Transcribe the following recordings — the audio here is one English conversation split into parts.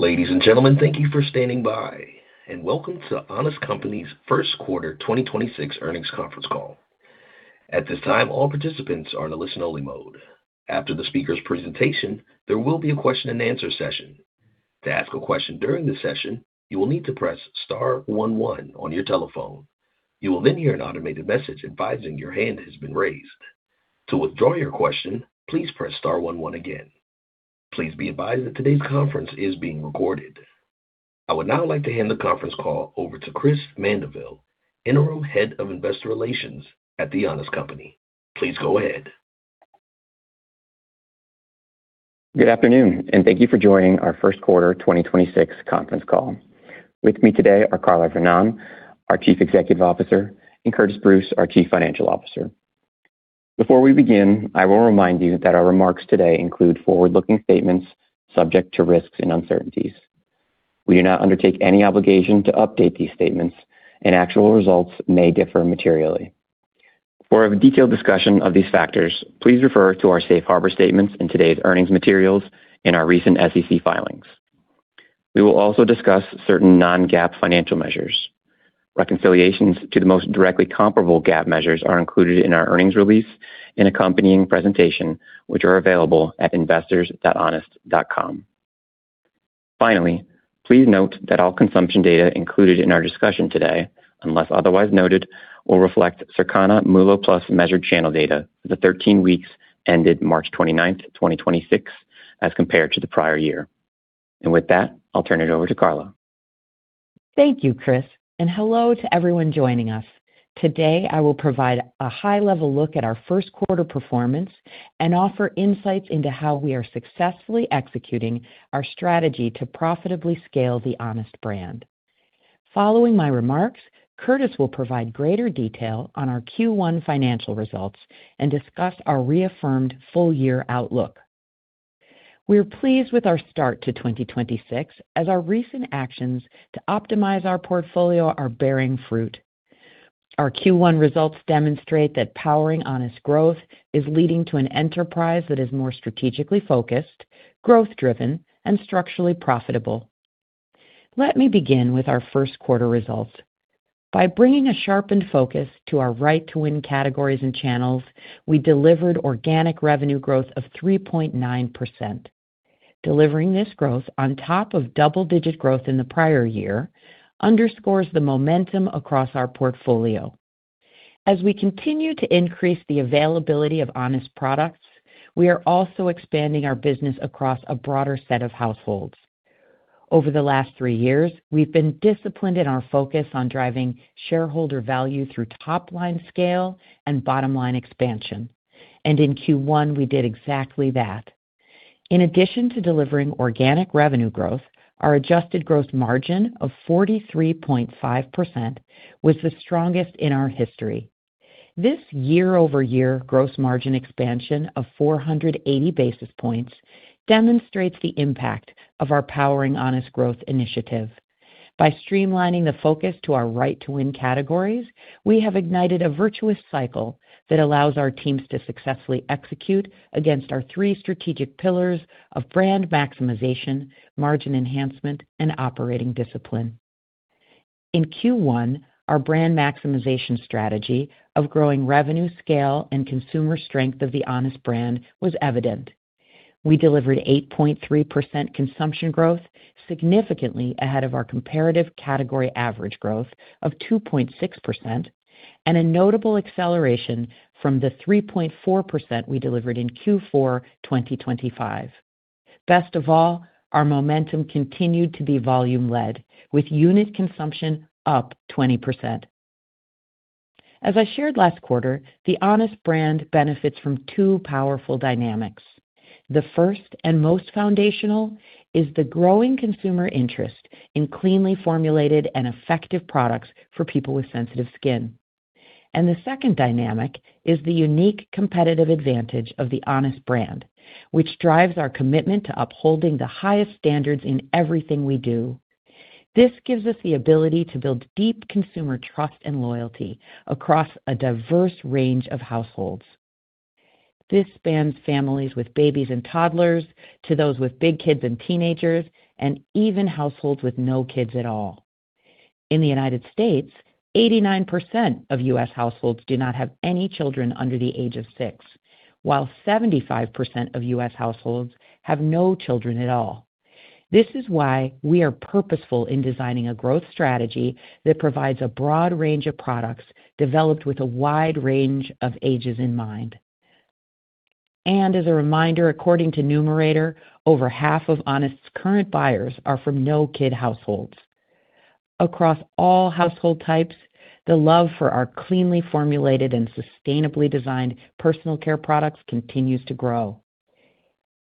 Ladies and gentlemen, thank you for standing by. Welcome to The Honest Company's first quarter 2026 earnings conference call. At this time, all participants are in a listen-only mode. After the speaker's presentation, there will be a question-and-answer session. To ask a question during the session, you will need to press star one one on your telephone. You will then hear an automated message advising your hand has been raised. To withdraw your question, please press star one one again. Please be advised that today's conference is being recorded. I would now like to hand the conference call over to Chris Mandeville, Interim Head of Investor Relations at The Honest Company. Please go ahead. Good afternoon, and thank you for joining our first quarter 2026 conference call. With me today are Carla Vernón, our Chief Executive Officer, and Curtiss Bruce, our Chief Financial Officer. Before we begin, I will remind you that our remarks today include forward-looking statements subject to risks and uncertainties. We do not undertake any obligation to update these statements, and actual results may differ materially. For a detailed discussion of these factors, please refer to our safe harbor statements in today's earnings materials and our recent SEC filings. We will also discuss certain non-GAAP financial measures. Reconciliations to the most directly comparable GAAP measures are included in our earnings release and accompanying presentation, which are available at investors.honest.com. Finally, please note that all consumption data included in our discussion today, unless otherwise noted, will reflect Circana MULO+ measured channel data for the 13 weeks ended March 29, 2026, as compared to the prior year. With that, I'll turn it over to Carla. Thank you, Chris, and hello to everyone joining us. Today, I will provide a high-level look at our first quarter performance and offer insights into how we are successfully executing our strategy to profitably scale the Honest brand. Following my remarks, Curtiss will provide greater detail on our Q1 financial results and discuss our reaffirmed full-year outlook. We're pleased with our start to 2026 as our recent actions to optimize our portfolio are bearing fruit. Our Q1 results demonstrate that Powering Honest Growth is leading to an enterprise that is more strategically focused, growth-driven, and structurally profitable. Let me begin with our first quarter results. By bringing a sharpened focus to our right to win categories and channels, we delivered organic revenue growth of 3.9%. Delivering this growth on top of double-digit growth in the prior year underscores the momentum across our portfolio. As we continue to increase the availability of Honest products, we are also expanding our business across a broader set of households. Over the last three years, we've been disciplined in our focus on driving shareholder value through top-line scale and bottom-line expansion. In Q1, we did exactly that. In addition to delivering organic revenue growth, our adjusted gross margin of 43.5% was the strongest in our history. This year-over-year gross margin expansion of 480 basis points demonstrates the impact of our Powering Honest Growth initiative. By streamlining the focus to our right-to-win categories, we have ignited a virtuous cycle that allows our teams to successfully execute against our three strategic pillars of brand maximization, margin enhancement, and operating discipline. In Q1, our brand maximization strategy of growing revenue scale and consumer strength of the Honest brand was evident. We delivered 8.3% consumption growth, significantly ahead of our comparative category average growth of 2.6% and a notable acceleration from the 3.4% we delivered in Q4 2025. Best of all, our momentum continued to be volume-led, with unit consumption up 20%. As I shared last quarter, the Honest brand benefits from two powerful dynamics. The first and most foundational is the growing consumer interest in cleanly formulated and effective products for people with sensitive skin. The second dynamic is the unique competitive advantage of the Honest brand, which drives our commitment to upholding the highest standards in everything we do. This gives us the ability to build deep consumer trust and loyalty across a diverse range of households. This spans families with babies and toddlers to those with big kids and teenagers, and even households with no kids at all. In the U.S., 89% of U.S. households do not have any children under the age of six, while 75% of U.S. households have no children at all. This is why we are purposeful in designing a growth strategy that provides a broad range of products developed with a wide range of ages in mind. As a reminder, according to Numerator, over half of Honest's current buyers are from no kid households. Across all household types, the love for our cleanly formulated and sustainably designed personal care products continues to grow.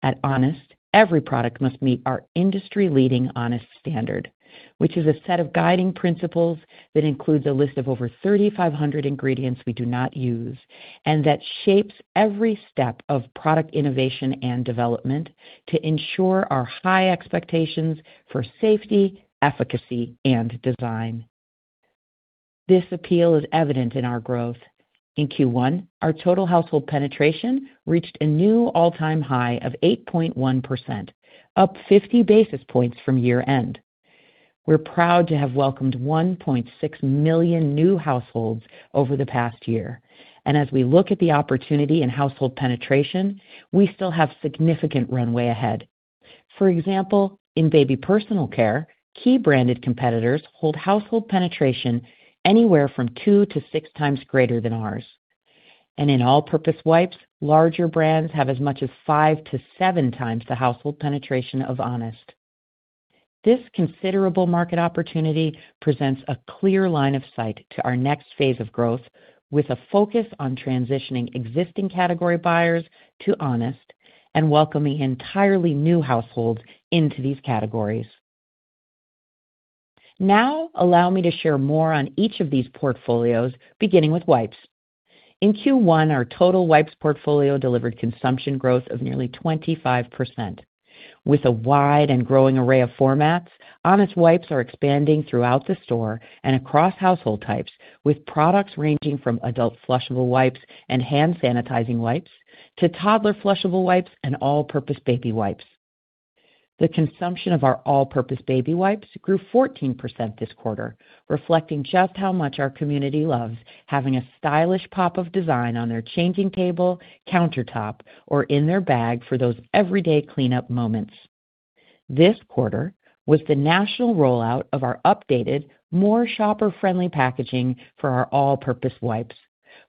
At Honest, every product must meet our industry-leading Honest Standard, which is a set of guiding principles that includes a list of over 3,500 ingredients we do not use, and that shapes every step of product innovation and development to ensure our high expectations for safety, efficacy, and design. This appeal is evident in our growth. In Q1, our total household penetration reached a new all-time high of 8.1%, up 50 basis points from year-end. We're proud to have welcomed 1.6 million new households over the past year. As we look at the opportunity in household penetration, we still have significant runway ahead. For example, in baby personal care, key branded competitors hold household penetration anywhere from two to six times greater than ours. In all-purpose wipes, larger brands have as much as five to seven times the household penetration of Honest. This considerable market opportunity presents a clear line of sight to our next phase of growth, with a focus on transitioning existing category buyers to Honest and welcoming entirely new households into these categories. Allow me to share more on each of these portfolios, beginning with wipes. In Q1, our total wipes portfolio delivered consumption growth of nearly 25%. With a wide and growing array of formats, Honest wipes are expanding throughout the store and across household types, with products ranging from adult flushable wipes and hand-sanitizing wipes to toddler flushable wipes and all-purpose baby wipes. The consumption of our all-purpose baby wipes grew 14% this quarter, reflecting just how much our community loves having a stylish pop of design on their changing table, countertop, or in their bag for those everyday cleanup moments. This quarter was the national rollout of our updated, more shopper-friendly packaging for our all-purpose wipes.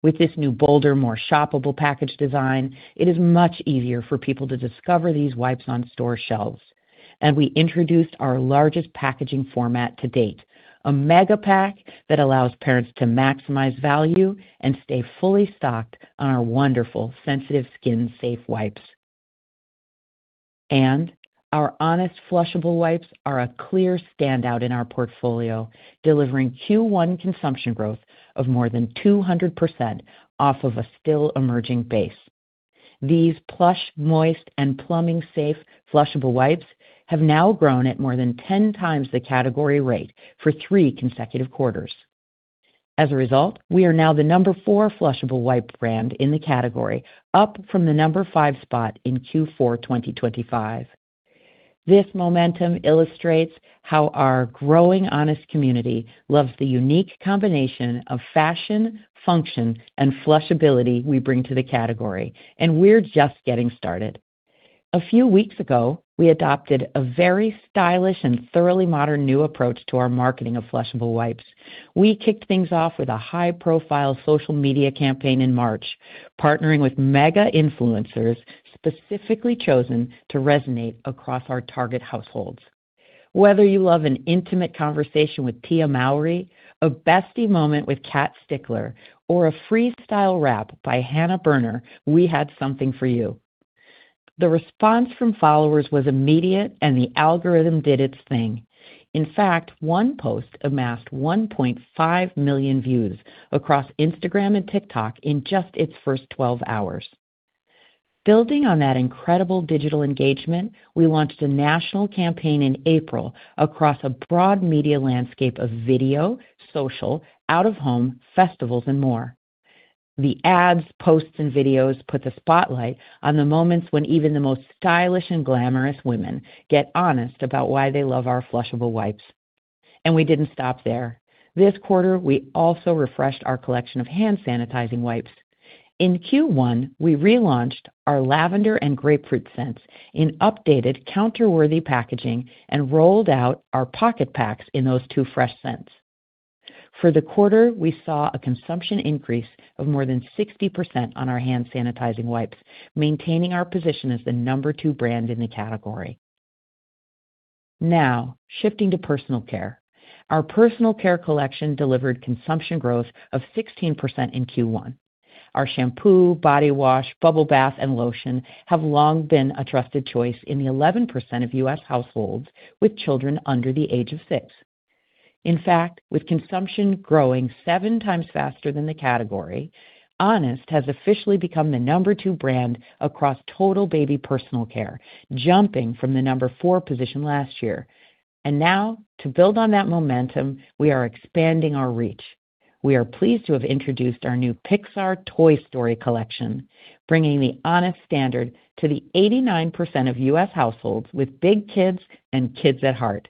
With this new, bolder, more shoppable package design, it is much easier for people to discover these wipes on store shelves. We introduced our largest packaging format to date, a mega pack that allows parents to maximize value and stay fully stocked on our wonderful sensitive skin-safe wipes. Our Honest flushable wipes are a clear standout in our portfolio, delivering Q1 consumption growth of more than 200% off of a still-emerging base. These plush, moist, and plumbing-safe flushable wipes have now grown at more than 10 times the category rate for three consecutive quarters. As a result, we are now the number four flushable wipe brand in the category, up from the number five spot in Q4 2025. This momentum illustrates how our growing Honest community loves the unique combination of fashion, function, and flushability we bring to the category, and we're just getting started. A few weeks ago, we adopted a very stylish and thoroughly modern new approach to our marketing of flushable wipes. We kicked things off with a high-profile social media campaign in March, partnering with mega-influencers specifically chosen to resonate across our target households. Whether you love an intimate conversation with Tia Mowry, a bestie moment with Kat Stickler, or a freestyle rap by Hannah Berner, we had something for you. The response from followers was immediate, and the algorithm did its thing. In fact, one post amassed 1.5 million views across Instagram and TikTok in just its first 12 hours. Building on that incredible digital engagement, we launched a national campaign in April across a broad media landscape of video, social, out-of-home, festivals, and more. The ads, posts, and videos put the spotlight on the moments when even the most stylish and glamorous women get honest about why they love our flushable wipes. We didn't stop there. This quarter, we also refreshed our collection of hand-sanitizing wipes. In Q1, we relaunched our lavender and grapefruit scents in updated counter-worthy packaging and rolled out our pocket packs in those two fresh scents. For the quarter, we saw a consumption increase of more than 60% on our hand-sanitizing wipes, maintaining our position as the number two brand in the category. Now, shifting to personal care. Our personal care collection delivered consumption growth of 16% in Q1. Our shampoo, body wash, bubble bath, and lotion have long been a trusted choice in the 11% of U.S. households with children under the age of six. In fact, with consumption growing seven times faster than the category, Honest has officially become the number two brand across total baby personal care, jumping from the number four position last year. Now, to build on that momentum, we are expanding our reach. We are pleased to have introduced our new Pixar Toy Story collection, bringing the Honest Standard to the 89% of U.S. households with big kids and kids at heart.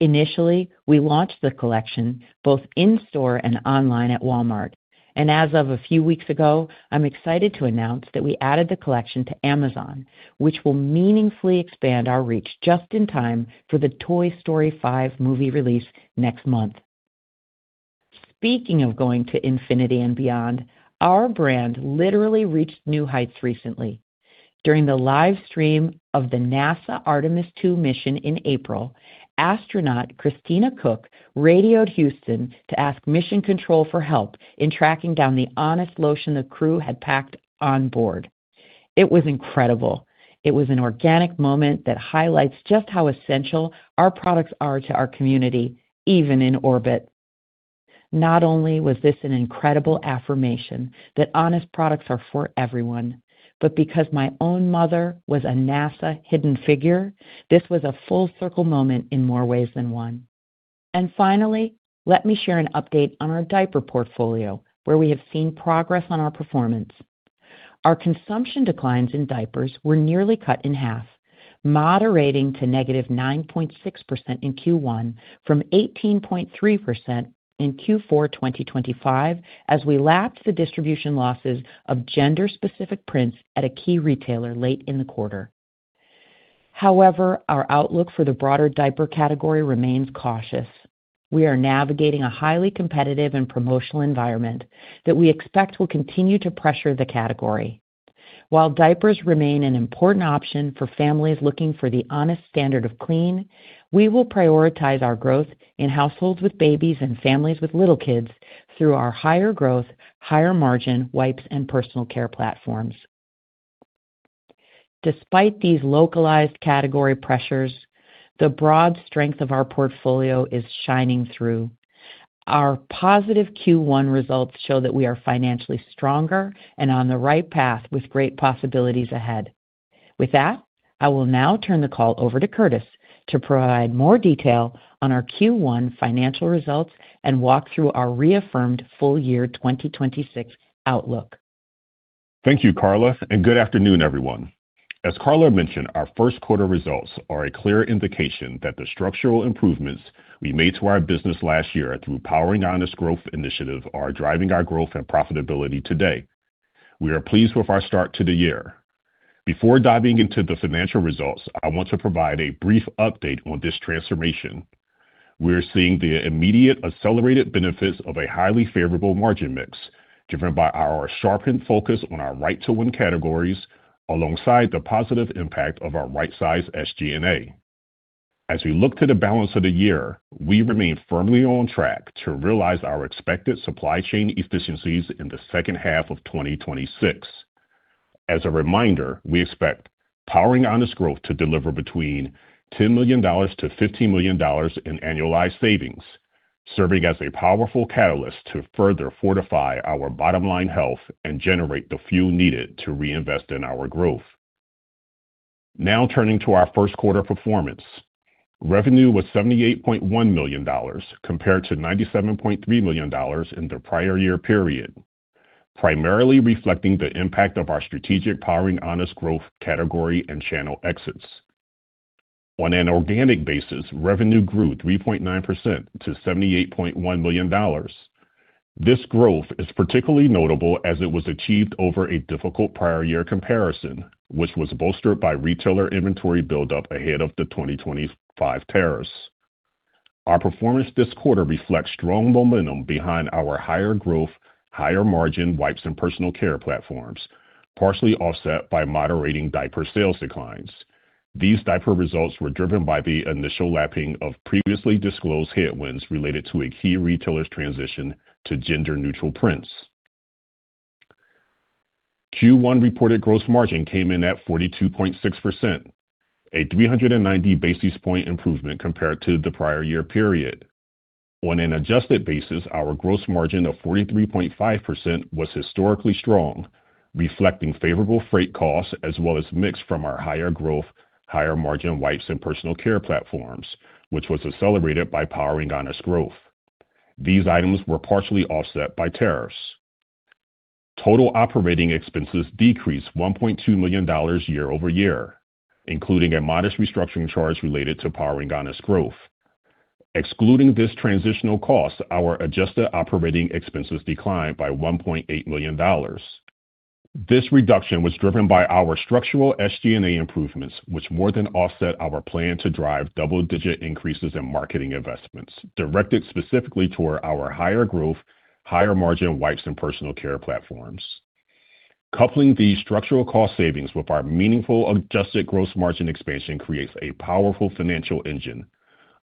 Initially, we launched the collection both in-store and online at Walmart. As of a few weeks ago, I am excited to announce that we added the collection to Amazon, which will meaningfully expand our reach just in time for the Toy Story 5 movie release next month. Speaking of going to infinity and beyond, our brand literally reached new heights recently. During the live stream of the NASA Artemis II mission in April, astronaut Christina Koch radioed Houston to ask Mission Control for help in tracking down the Honest lotion the crew had packed on board. It was incredible. It was an organic moment that highlights just how essential our products are to our community, even in orbit. Not only was this an incredible affirmation that Honest products are for everyone, but because my own mother was a NASA Hidden Figures, this was a full-circle moment in more ways than one. Finally, let me share an update on our diaper portfolio, where we have seen progress on our performance. Our consumption declines in diapers were nearly cut in half, moderating to -9.6% in Q1 from 18.3% in Q4 2025 as we lapped the distribution losses of gender-specific prints at a key retailer late in the quarter. Our outlook for the broader diaper category remains cautious. We are navigating a highly competitive and promotional environment that we expect will continue to pressure the category. While diapers remain an important option for families looking for the Honest Standard of clean, we will prioritize our growth in households with babies and families with little kids through our higher growth, higher margin wipes and personal care platforms. Despite these localized category pressures, the broad strength of our portfolio is shining through. Our positive Q1 results show that we are financially stronger and on the right path with great possibilities ahead. I will now turn the call over to Curtiss to provide more detail on our Q1 financial results and walk through our reaffirmed full-year 2026 outlook. Thank you, Carla, and good afternoon, everyone. As Carla mentioned, our first quarter results are a clear indication that the structural improvements we made to our business last year through Powering Honest Growth initiative are driving our growth and profitability today. We are pleased with our start to the year. Before diving into the financial results, I want to provide a brief update on this transformation. We're seeing the immediate accelerated benefits of a highly favorable margin mix driven by our sharpened focus on our right to win categories alongside the positive impact of our right size SG&A. As we look to the balance of the year, we remain firmly on track to realize our expected supply chain efficiencies in the second half of 2026. As a reminder, we expect Powering Honest Growth to deliver between $10 million-$15 million in annualized savings, serving as a powerful catalyst to further fortify our bottom line health and generate the fuel needed to reinvest in our growth. Now turning to our first quarter performance. Revenue was $78.1 million compared to $97.3 million in the prior year period, primarily reflecting the impact of our strategic Powering Honest Growth category and channel exits. On an organic basis, revenue grew 3.9% to $78.1 million. This growth is particularly notable as it was achieved over a difficult prior year comparison, which was bolstered by retailer inventory buildup ahead of the 2025 tariffs. Our performance this quarter reflects strong momentum behind our higher growth, higher margin wipes and personal care platforms, partially offset by moderating diaper sales declines. These diaper results were driven by the initial lapping of previously disclosed headwinds related to a key retailer's transition to gender-neutral prints. Q1 reported gross margin came in at 42.6%, a 390 basis point improvement compared to the prior year period. On an adjusted basis, our gross margin of 43.5% was historically strong, reflecting favorable freight costs as well as mix from our higher growth, higher margin wipes and personal care platforms, which was accelerated by Powering Honest Growth. These items were partially offset by tariffs. Total operating expenses decreased $1.2 million year-over-year, including a modest restructuring charge related to Powering Honest Growth. Excluding this transitional cost, our adjusted operating expenses declined by $1.8 million. This reduction was driven by our structural SG&A improvements, which more than offset our plan to drive double-digit increases in marketing investments directed specifically toward our higher growth, higher margin wipes and personal care platforms. Coupling these structural cost savings with our meaningful adjusted gross margin expansion creates a powerful financial engine,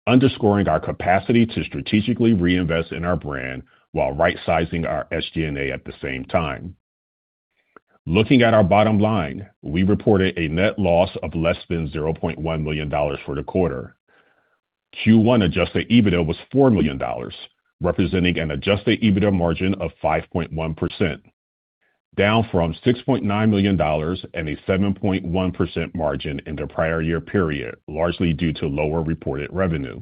underscoring our capacity to strategically reinvest in our brand while rightsizing our SG&A at the same time. Looking at our bottom line, we reported a net loss of less than $0.1 million for the quarter. Q1 adjusted EBITDA was $4 million, representing an adjusted EBITDA margin of 5.1%, down from $6.9 million and a 7.1% margin in the prior year period, largely due to lower reported revenue.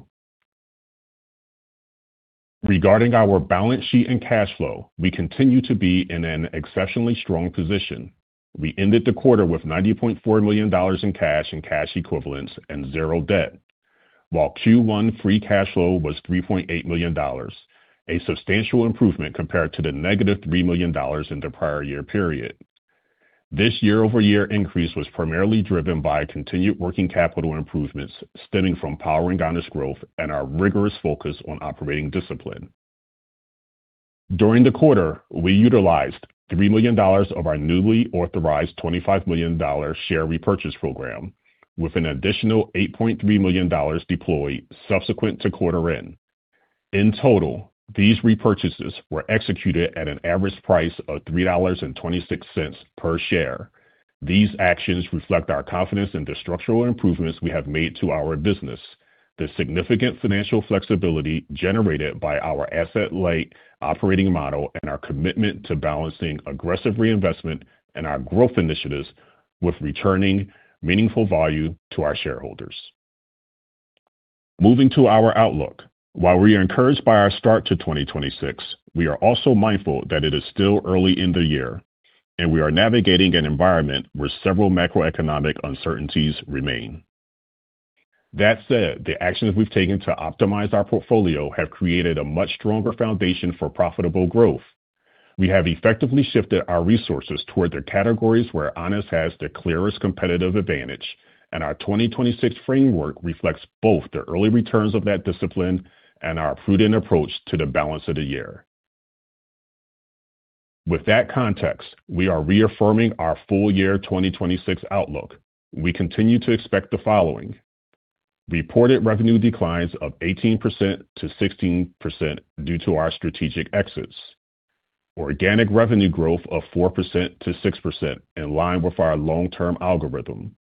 Regarding our balance sheet and cash flow, we continue to be in an exceptionally strong position. We ended the quarter with $90.4 million in cash and cash equivalents and zero debt. Q1 free cash flow was $3.8 million, a substantial improvement compared to the -$3 million in the prior year period. This year-over-year increase was primarily driven by continued working capital improvements stemming from Powering Honest Growth and our rigorous focus on operating discipline. During the quarter, we utilized $3 million of our newly authorized $25 million share repurchase program with an additional $8.3 million deployed subsequent to quarter end. In total, these repurchases were executed at an average price of $3.26 per share. These actions reflect our confidence in the structural improvements we have made to our business, the significant financial flexibility generated by our asset light operating model, and our commitment to balancing aggressive reinvestment and our growth initiatives with returning meaningful value to our shareholders. Moving to our outlook. While we are encouraged by our start to 2026, we are also mindful that it is still early in the year, and we are navigating an environment where several macroeconomic uncertainties remain. That said, the actions we've taken to optimize our portfolio have created a much stronger foundation for profitable growth. We have effectively shifted our resources toward the categories where Honest has the clearest competitive advantage. Our 2026 framework reflects both the early returns of that discipline and our prudent approach to the balance of the year. With that context, we are reaffirming our full-year 2026 outlook. We continue to expect the following: reported revenue declines of 18%-16% due to our strategic exits, organic revenue growth of 4%-6% in line with our long-term algorithm,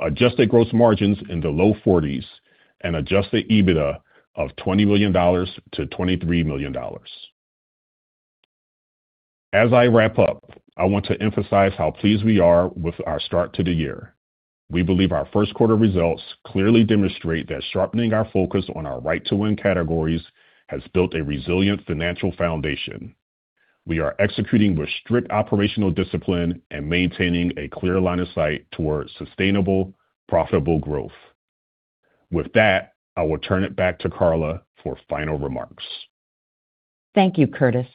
adjusted gross margins in the low 40s, and adjusted EBITDA of $20 million-$23 million. As I wrap up, I want to emphasize how pleased we are with our start to the year. We believe our first quarter results clearly demonstrate that sharpening our focus on our right to win categories has built a resilient financial foundation. We are executing with strict operational discipline and maintaining a clear line of sight towards sustainable, profitable growth. With that, I will turn it back to Carla for final remarks. Thank you, Curtiss.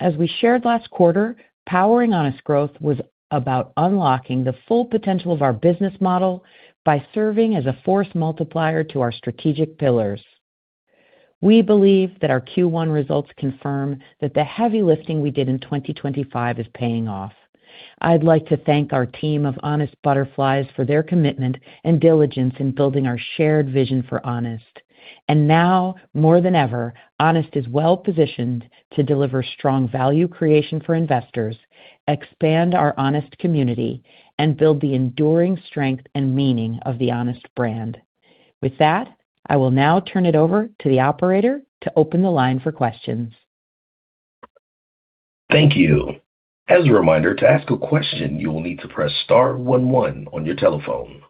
As we shared last quarter, Powering Honest Growth was about unlocking the full potential of our business model by serving as a force multiplier to our strategic pillars. We believe that our Q1 results confirm that the heavy lifting we did in 2025 is paying off. I'd like to thank our team of Honest butterflies for their commitment and diligence in building our shared vision for Honest. Now more than ever, Honest is well-positioned to deliver strong value creation for investors, expand our Honest community, and build the enduring strength and meaning of the Honest brand. With that, I will now turn it over to the operator to open the line for questions. Thank you. As a reminder, to ask a question, you will need to press star one one on your telephone.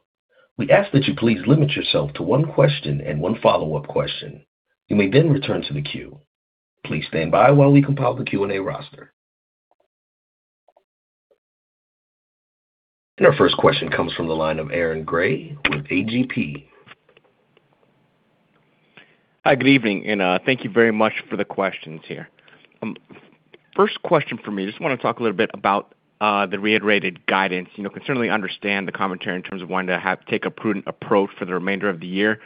We ask that you please limit yourself to one question and one follow-up question. You may then return to the queue. Please stand by while we compile the Q&A roster. Our first question comes from the line of Aaron Grey with A.G.P.. Hi, good evening, and, thank you very much for the questions here. First question for me, just want to talk a little bit about the reiterated guidance. You know, can certainly understand the commentary in terms of take a prudent approach for the remainder of the year.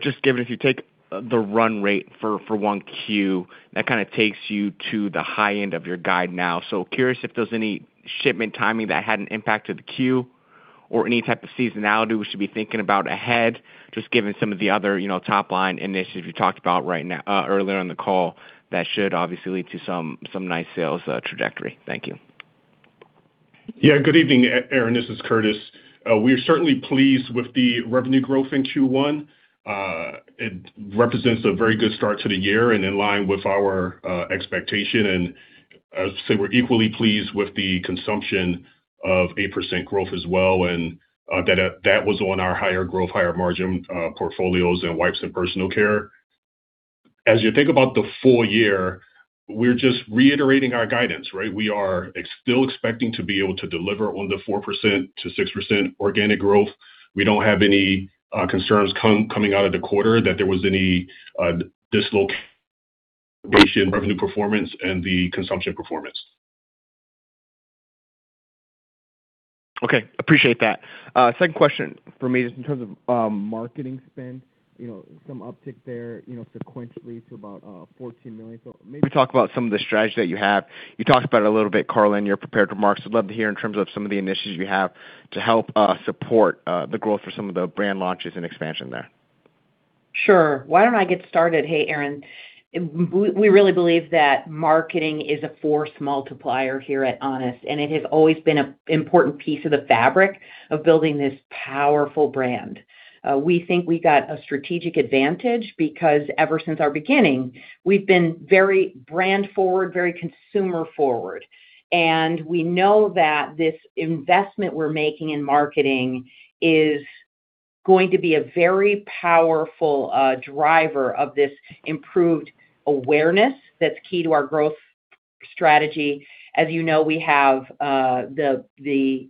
Just given if you take the run rate for 1Q, that kind of takes you to the high end of your guide now. Curious if there is any shipment timing that had an impact to the Q or any type of seasonality we should be thinking about ahead, just given some of the other, you know, top line initiatives you talked about right now, earlier on the call that should obviously lead to some nice sales trajectory. Thank you. Good evening, Aaron. This is Curtiss. We are certainly pleased with the revenue growth in Q1. It represents a very good start to the year and in line with our expectation. I'd say we're equally pleased with the consumption of 8% growth as well, and that was on our higher growth, higher margin portfolios in wipes and personal care. As you think about the full-year, we're just reiterating our guidance, right? We are still expecting to be able to deliver on the 4%-6% organic growth. We don't have any concerns coming out of the quarter that there was any dislocation revenue performance and the consumption performance. Okay. Appreciate that. Second question for me, just in terms of marketing spend, you know, some uptick there, you know, sequentially to about $14 million. Maybe talk about some of the strategy that you have. You talked about it a little bit, Carla, in your prepared remarks. I'd love to hear in terms of some of the initiatives you have to help support the growth for some of the brand launches and expansion there. Sure. Why don't I get started, hey, Aaron? We really believe that marketing is a force multiplier here at Honest, and it has always been an important piece of the fabric of building this powerful brand. We think we got a strategic advantage because ever since our beginning, we've been very brand-forward, very consumer-forward. We know that this investment we're making in marketing is going to be a very powerful driver of this improved awareness that's key to our growth strategy. As you know, we have the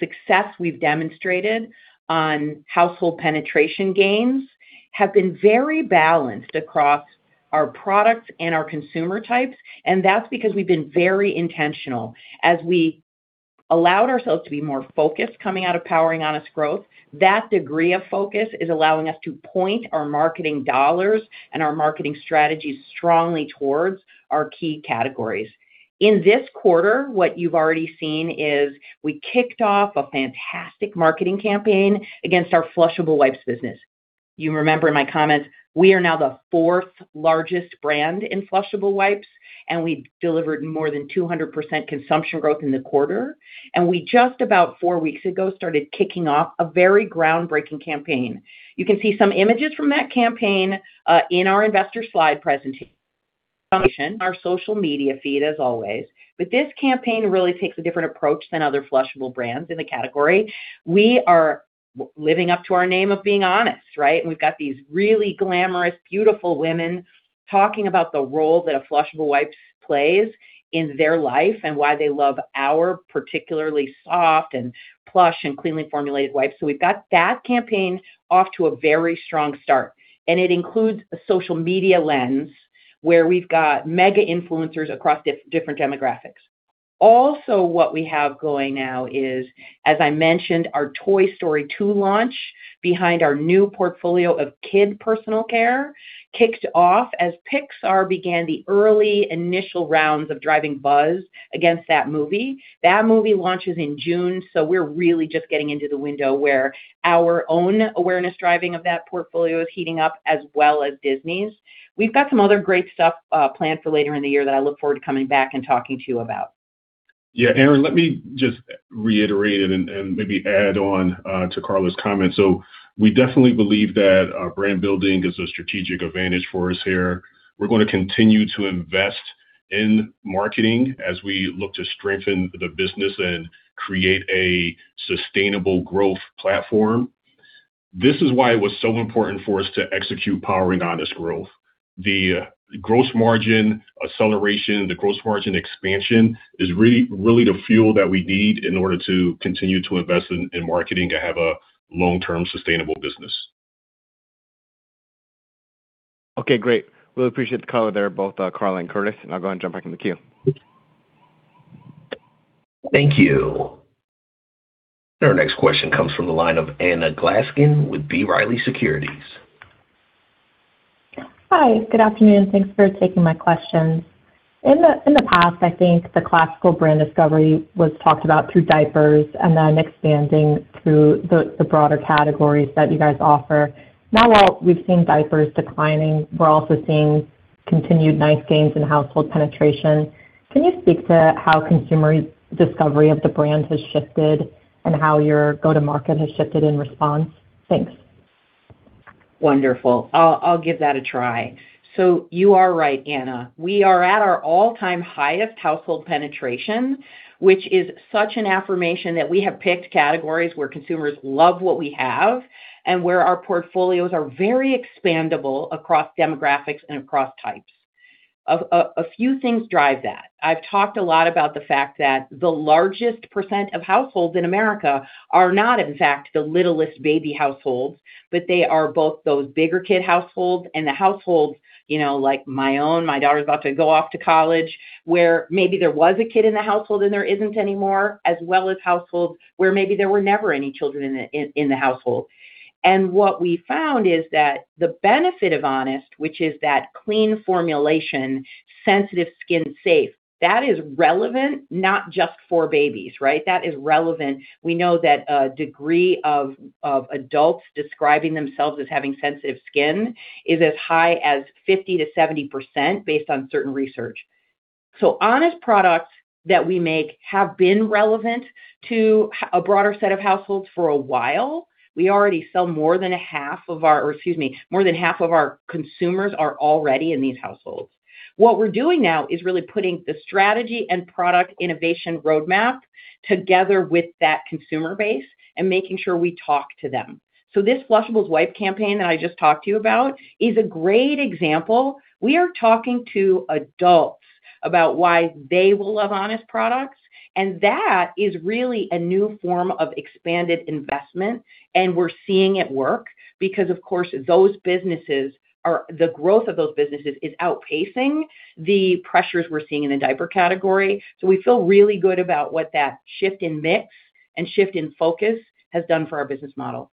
success we've demonstrated on household penetration gains have been very balanced across our products and our consumer types, that's because we've been very intentional. As we allowed ourselves to be more focused coming out of Powering Honest Growth, that degree of focus is allowing us to point our marketing dollars and our marketing strategies strongly towards our key categories. In this quarter, what you've already seen is we kicked off a fantastic marketing campaign against our flushable wipes business. You remember in my comments, we are now the fourth largest brand in flushable wipes, and we delivered more than 200% consumption growth in the quarter. We just about four weeks ago started kicking off a very groundbreaking campaign. You can see some images from that campaign in our investor slide presentation. Our social media feed as always. This campaign really takes a different approach than other flushable brands in the category. We are living up to our name of being Honest, right. We've got these really glamorous, beautiful women talking about the role that a flushable wipe plays in their life, and why they love our particularly soft and plush and cleanly formulated wipes. We've got that campaign off to a very strong start, and it includes a social media lens where we've got mega-influencers across different demographics. Also, what we have going now is, as I mentioned, our Toy Story 2 launch behind our new portfolio of kid personal care, kicked off as Pixar began the early initial rounds of driving buzz against that movie. That movie launches in June, we're really just getting into the window where our own awareness driving of that portfolio is heating up, as well as Disney's. We've got some other great stuff planned for later in the year that I look forward to coming back and talking to you about. Yeah, Aaron, let me just reiterate it and maybe add on to Carla's comments. We definitely believe that brand building is a strategic advantage for us here. We're gonna continue to invest in marketing as we look to strengthen the business and create a sustainable growth platform. This is why it was so important for us to execute Powering Honest Growth. The gross margin acceleration, the gross margin expansion is really the fuel that we need in order to continue to invest in marketing to have a long-term sustainable business. Okay, great. Really appreciate the color there, both Carla and Curtiss. I'll go ahead and jump back in the queue. Thank you. Our next question comes from the line of Anna Glaessgen with B. Riley Securities. Hi. Good afternoon. Thanks for taking my questions. In the past, I think the classical brand discovery was talked about through diapers and then expanding through the broader categories that you guys offer. While we've seen diapers declining, we're also seeing continued nice gains in household penetration. Can you speak to how consumer discovery of the brands has shifted and how your go-to-market has shifted in response? Thanks. Wonderful. I'll give that a try. You are right, Anna. We are at our all-time highest household penetration, which is such an affirmation that we have picked categories where consumers love what we have and where our portfolios are very expandable across demographics and across types. A few things drive that. I've talked a lot about the fact that the largest percent of households in America are not, in fact, the littlest baby households, but they are both those bigger kid households and the households, you know, like my own. My daughter's about to go off to college, where maybe there was a kid in the household and there isn't anymore, as well as households where maybe there were never any children in the household. What we found is that the benefit of Honest, which is that clean formulation, sensitive skin safe, that is relevant not just for babies, right? That is relevant. We know that a degree of adults describing themselves as having sensitive skin is as high as 50% to 70% based on certain research. Honest products that we make have been relevant to a broader set of households for a while. We already sell, or excuse me, more than half of our consumers are already in these households. What we're doing now is really putting the strategy and product innovation roadmap together with that consumer base and making sure we talk to them. This flushables wipe campaign that I just talked to you about is a great example. We are talking to adults about why they will love Honest products. That is really a new form of expanded investment. We're seeing it work because, of course, the growth of those businesses is outpacing the pressures we're seeing in the diaper category. We feel really good about what that shift in mix and shift in focus has done for our business model.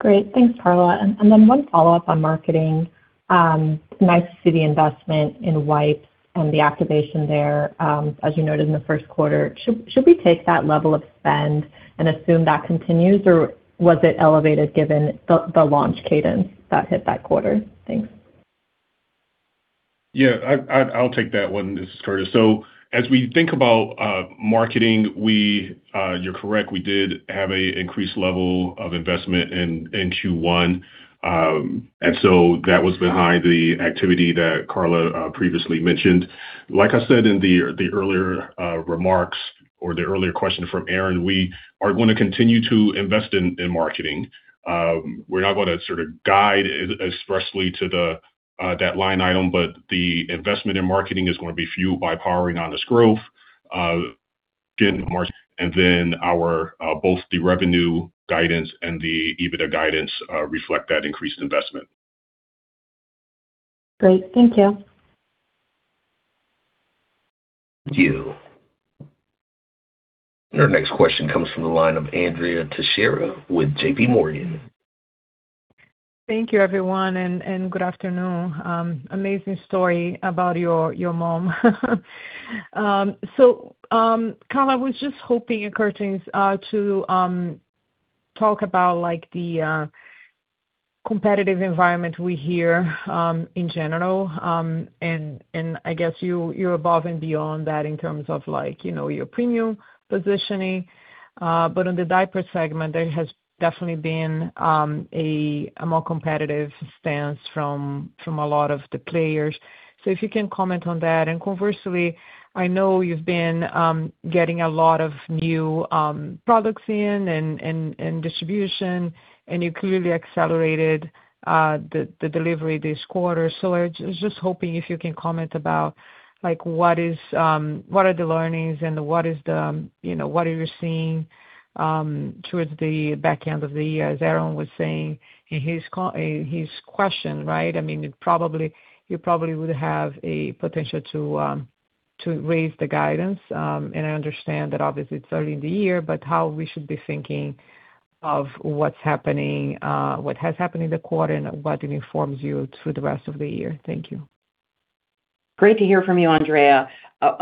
Great. Thanks, Carla. Then one follow-up on marketing. It's nice to see the investment in wipes and the activation there, as you noted in the first quarter. Should we take that level of spend and assume that continues, or was it elevated given the launch cadence that hit that quarter? Thanks. Yeah, I'll take that one. This is Curtiss. As we think about marketing, you're correct, we did have a increased level of investment in Q1. That was behind the activity that Carla previously mentioned. Like I said in the earlier remarks or the earlier question from Aaron, we are gonna continue to invest in marketing. We're not gonna sort of guide expressly to the that line item, but the investment in marketing is gonna be fueled by Powering Honest Growth, getting the market, and then our both the revenue guidance and the EBITDA guidance reflect that increased investment. Great. Thank you. Our next question comes from the line of Andrea Teixeira with JPMorgan. Thank you, everyone, and good afternoon. Amazing story about your mom. Carla, I was just hoping, and Curtiss, to talk about like the competitive environment we hear in general, and I guess you're above and beyond that in terms of like, you know, your premium positioning. On the diaper segment, there has definitely been a more competitive stance from a lot of the players. If you can comment on that. Conversely, I know you've been getting a lot of new products in and distribution, and you clearly accelerated the delivery this quarter. I was just hoping if you can comment about like what is, what are the learnings and what is the, you know, what are you seeing towards the back end of the year? As Aaron was saying in his question, right? I mean, you probably would have a potential to raise the guidance. I understand that obviously it's early in the year, but how we should be thinking of what's happening, what has happened in the quarter and what informs you through the rest of the year. Thank you. Great to hear from you, Andrea.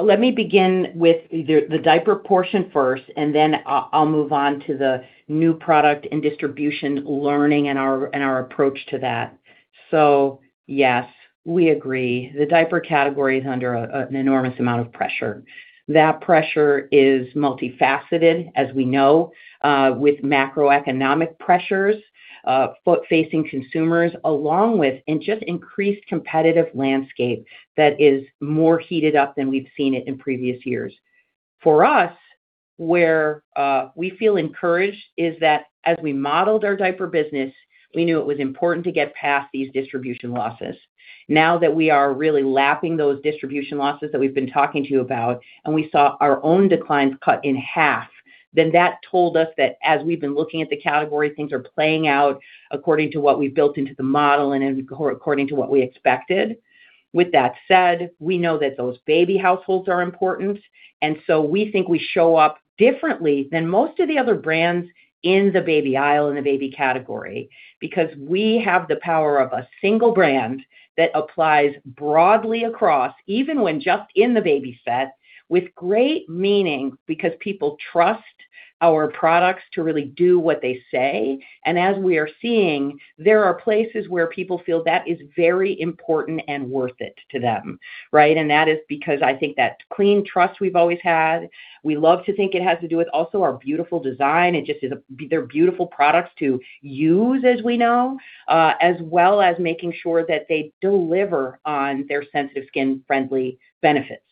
Let me begin with the diaper portion first, and then I'll move on to the new product and distribution learning and our approach to that. Yes, we agree, the diaper category is under an enormous amount of pressure. That pressure is multifaceted, as we know, with macroeconomic pressures facing consumers along with just increased competitive landscape that is more heated up than we've seen it in previous years. For us, where we feel encouraged is that as we modeled our diaper business, we knew it was important to get past these distribution losses. Now that we are really lapping those distribution losses that we've been talking to you about, and we saw our own declines cut in half, that told us that as we've been looking at the category, things are playing out according to what we built into the model and according to what we expected. With that said, we know that those baby households are important, we think we show up differently than most of the other brands in the baby aisle, in the baby category, because we have the power of a single brand that applies broadly across, even when just in the baby set, with great meaning because people trust our products to really do what they say. As we are seeing, there are places where people feel that is very important and worth it to them, right? That is because I think that clean trust we've always had. We love to think it has to do with also our beautiful design. It just is, they're beautiful products to use, as we know, as well as making sure that they deliver on their sensitive skin-friendly benefits.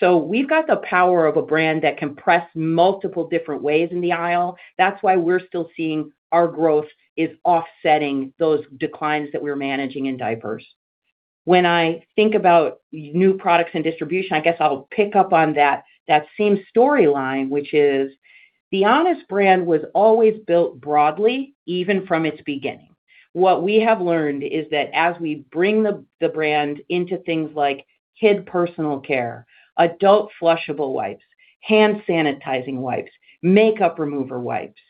We've got the power of a brand that can press multiple different ways in the aisle. That's why we're still seeing our growth is offsetting those declines that we're managing in diapers. When I think about new products and distribution, I guess I'll pick up on that same storyline, which is the Honest brand was always built broadly, even from its beginning. What we have learned is that as we bring the brand into things like kid personal care, adult flushable wipes, hand sanitizing wipes, makeup remover wipes,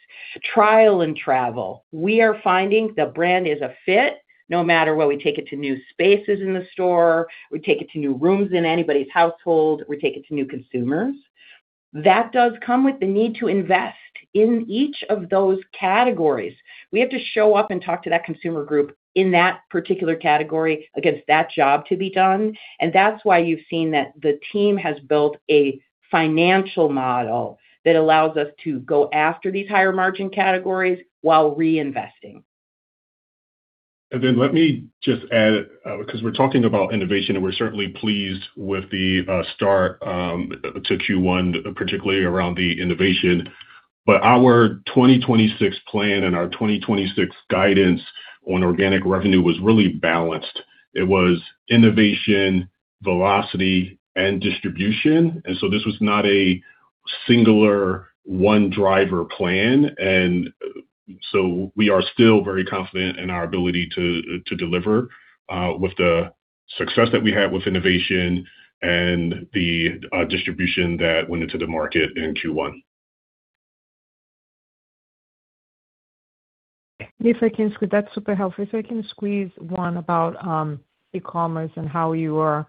trial and travel, we are finding the brand is a fit no matter where we take it to new spaces in the store, we take it to new rooms in anybody's household, we take it to new consumers. That does come with the need to invest in each of those categories. We have to show up and talk to that consumer group in that particular category against that job to be done. That's why you've seen that the team has built a financial model that allows us to go after these higher margin categories while reinvesting. Let me just add, 'cause we're talking about innovation, and we're certainly pleased with the start to Q1, particularly around the innovation. Our 2026 plan and our 2026 guidance on organic revenue was really balanced. It was innovation, velocity, and distribution. This was not a singular one driver plan, we are still very confident in our ability to deliver, with the success that we had with innovation and the distribution that went into the market in Q1. That's super helpful. If I can squeeze one about e-commerce and how you are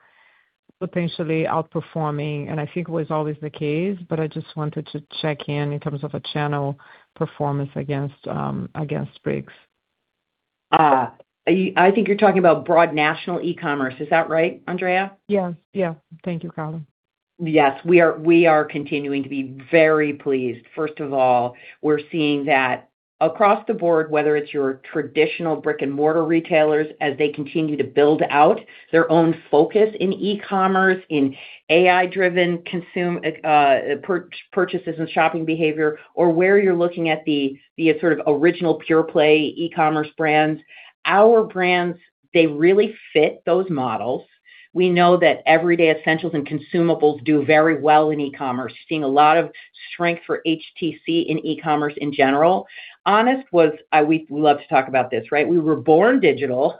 potentially outperforming, and I think it was always the case, but I just wanted to check in terms of a channel performance against bricks. I think you're talking about broad national e-commerce. Is that right, Andrea? Yeah. Yeah. Thank you, Carla. Yes, we are continuing to be very pleased. First of all, we're seeing that across the board, whether it's your traditional brick-and-mortar retailers as they continue to build out their own focus in e-commerce, in AI-driven purchases and shopping behavior, or where you're looking at the sort of original pure play e-commerce brands, our brands, they really fit those models. We know that everyday essentials and consumables do very well in e-commerce. We're seeing a lot of strength for DTC in e-commerce in general. Honest was. We love to talk about this, right? We were born digital.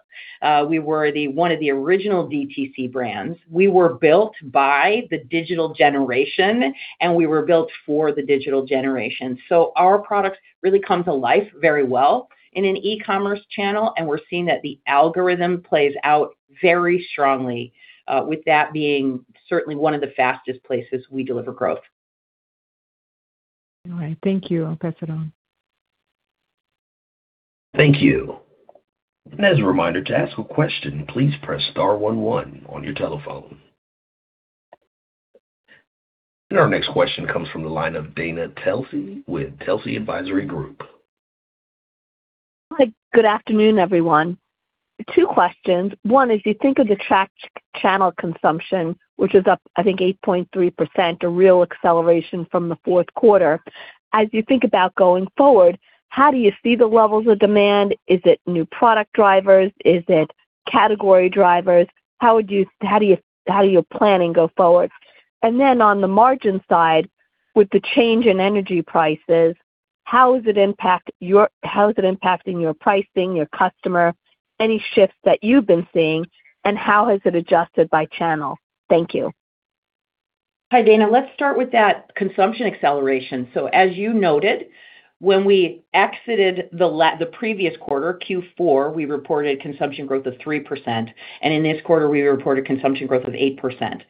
We were one of the original DTC brands. We were built by the digital generation, and we were built for the digital generation. Our products really come to life very well in an e-commerce channel, and we're seeing that the algorithm plays out very strongly, with that being certainly one of the fastest places we deliver growth. All right. Thank you. I'll pass it on. Thank you. As a reminder, to ask a question, please press star one one on your telephone. Our next question comes from the line of Dana Telsey with Telsey Advisory Group. Hi. Good afternoon, everyone. Two questions. One, as you think of the track channel consumption, which is up, I think, 8.3%, a real acceleration from the fourth quarter, as you think about going forward, how do you see the levels of demand? Is it new product drivers? Is it category drivers? How are you planning go forward? Then on the margin side, with the change in energy prices, how is it impacting your pricing, your customer, any shifts that you've been seeing, and how has it adjusted by channel? Thank you. Hi, Dana. Let's start with that consumption acceleration. As you noted, when we exited the previous quarter, Q4, we reported consumption growth of 3%, and in this quarter, we reported consumption growth of 8%.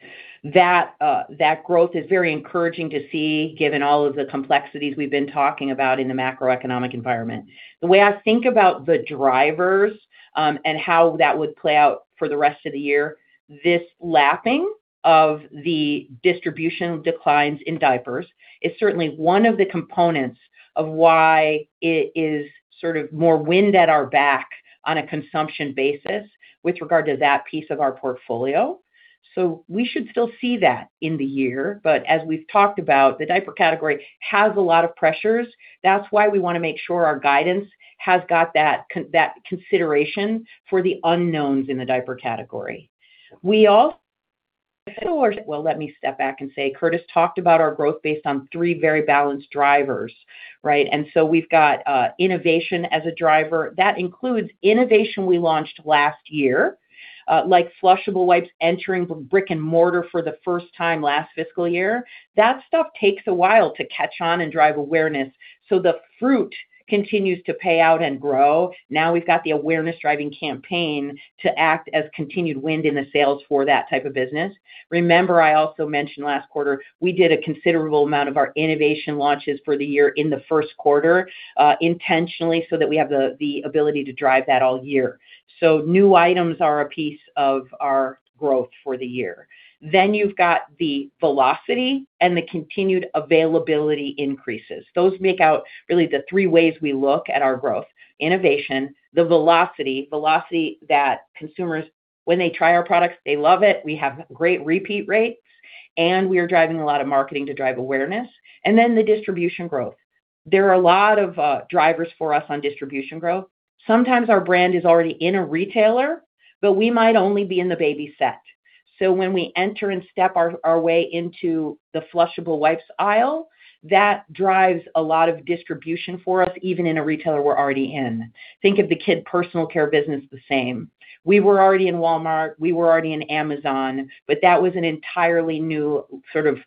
That growth is very encouraging to see given all of the complexities we've been talking about in the macroeconomic environment. The way I think about the drivers, and how that would play out for the rest of the year, this lapping of the distribution declines in diapers is certainly one of the components of why it is sort of more wind at our back on a consumption basis with regard to that piece of our portfolio. We should still see that in the year, but as we've talked about, the diaper category has a lot of pressures. That's why we wanna make sure our guidance has got that consideration for the unknowns in the diaper category. Well, let me step back and say, Curtiss talked about our growth based on three very balanced drivers, right? We've got innovation as a driver. That includes innovation we launched last year, like flushable wipes entering the brick and mortar for the first time last fiscal year. That stuff takes a while to catch on and drive awareness. The fruit continues to pay out and grow. Now we've got the awareness driving campaign to act as continued wind in the sales for that type of business. Remember I also mentioned last quarter, we did a considerable amount of our innovation launches for the year in the first quarter, intentionally so that we have the ability to drive that all year. New items are a piece of our growth for the year. You've got the velocity and the continued availability increases. Those make out really the three ways we look at our growth. Innovation, the velocity that consumers, when they try our products, they love it. We have great repeat rates, and we are driving a lot of marketing to drive awareness. The distribution growth. There are a lot of drivers for us on distribution growth. Sometimes our brand is already in a retailer, but we might only be in the baby set. When we enter and step our way into the flushable wipes aisle, that drives a lot of distribution for us even in a retailer we're already in. Think of the kid personal care business the same. We were already in Walmart, we were already in Amazon, but that was an entirely new sort of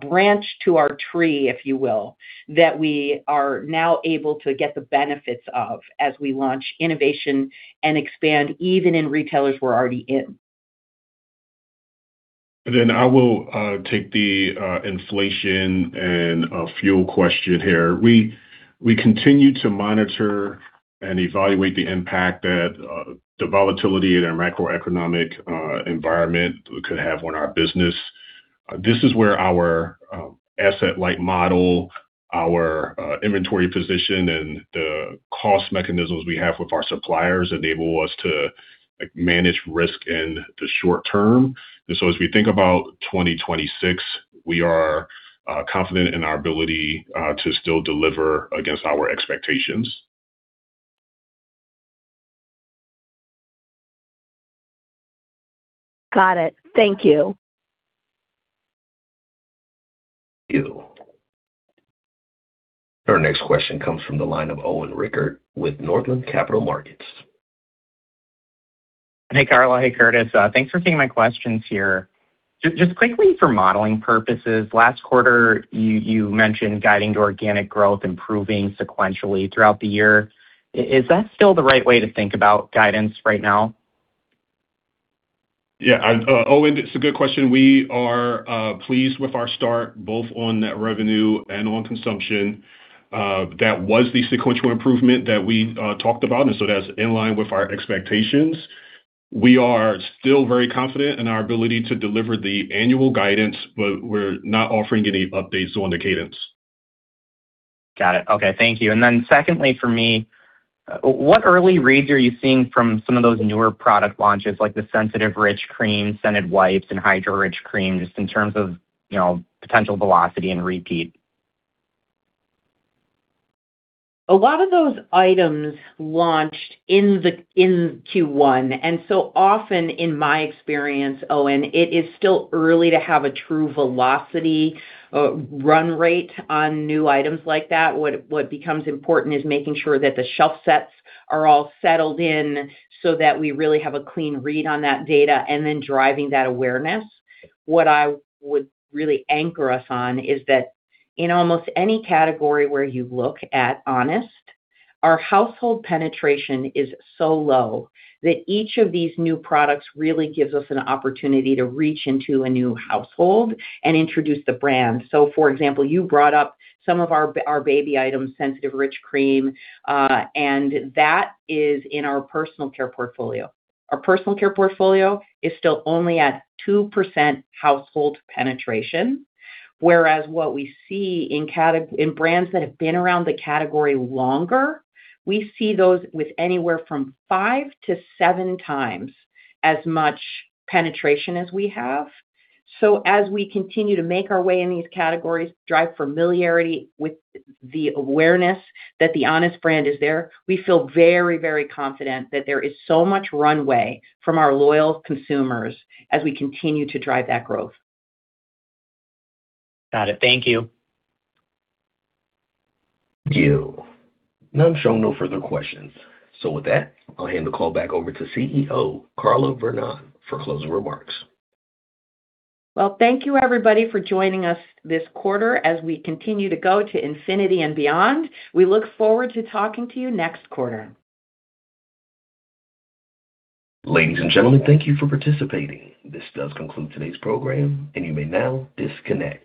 branch to our tree, if you will, that we are now able to get the benefits of as we launch innovation and expand even in retailers we're already in. I will take the inflation and fuel question here. We continue to monitor and evaluate the impact that the volatility in our macroeconomic environment could have on our business. This is where our asset-light model, our inventory position, and the cost mechanisms we have with our suppliers enable us to, like, manage risk in the short term. As we think about 2026, we are confident in our ability to still deliver against our expectations. Got it. Thank you. You. Our next question comes from the line of Owen Rickert with Northland Capital Markets. Hey, Carla. Hey, Curtiss. Thanks for taking my questions here. Just quickly for modeling purposes, last quarter, you mentioned guiding to organic growth improving sequentially throughout the year. Is that still the right way to think about guidance right now? Yeah. Owen, it's a good question. We are pleased with our start, both on net revenue and on consumption. That was the sequential improvement that we talked about, that's in line with our expectations. We are still very confident in our ability to deliver the annual guidance, we're not offering any updates on the cadence. Got it. Okay. Thank you. Secondly for me, what early reads are you seeing from some of those newer product launches, like the Sensitive Rich Cream, scented wipes, and Hydrorich Cream, just in terms of, you know, potential velocity and repeat? A lot of those items launched in Q1 and so often in my experience, Owen, it is still early to have a true velocity run rate on new items like that. What becomes important is making sure that the shelf sets are all settled in so that we really have a clean read on that data and then driving that awareness. What I would really anchor us on is that in almost any category where you look at Honest, our household penetration is so low that each of these new products really gives us an opportunity to reach into a new household and introduce the brand. For example, you brought up some of our baby items, Sensitive Rich Cream, and that is in our personal care portfolio. Our personal care portfolio is still only at 2% household penetration, whereas what we see in brands that have been around the category longer, we see those with anywhere from five to seven times as much penetration as we have. As we continue to make our way in these categories, drive familiarity with the awareness that the Honest brand is there, we feel very, very confident that there is so much runway from our loyal consumers as we continue to drive that growth. Got it. Thank you. Now I'm showing no further questions. With that, I'll hand the call back over to CEO, Carla Vernón, for closing remarks. Well, thank you everybody for joining us this quarter as we continue to go to infinity and beyond. We look forward to talking to you next quarter. Ladies and gentlemen, thank you for participating. This does conclude today's program, and you may now disconnect.